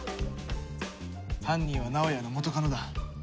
犯人は直哉の元カノだ。